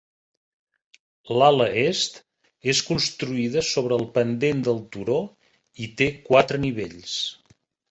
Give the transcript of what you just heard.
L'ala est és construïda sobre el pendent del turó i té quatre nivells.